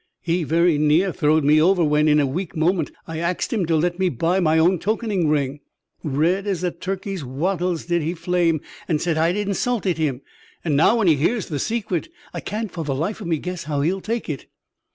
He very near throwed me over when, in a weak moment, I axed him to let me buy my own tokening ring. Red as a turkey's wattles did he flame, and said I'd insulted him; and now, when he hears the secret, I can't for the life of me guess how he'll take it."